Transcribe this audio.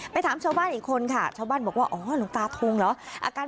ถามชาวบ้านอีกคนค่ะชาวบ้านบอกว่าอ๋อหลวงตาทงเหรอ